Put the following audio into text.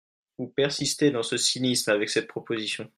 Vous persistez dans ce cynisme avec cette proposition.